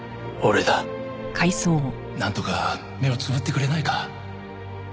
なんとか目をつぶってくれないか？